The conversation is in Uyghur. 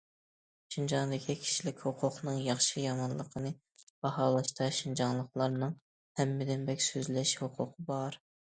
شىنجاڭدىكى كىشىلىك ھوقۇقنىڭ ياخشى يامانلىقىنى باھالاشتا شىنجاڭلىقلارنىڭ ھەممىدىن بەك سۆزلەش ھوقۇقى بار.